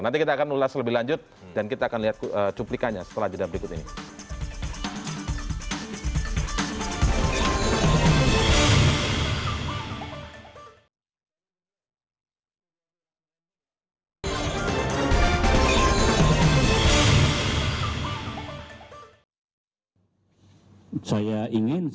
nanti kita akan ulas lebih lanjut dan kita akan lihat cuplikannya setelah judah berikut ini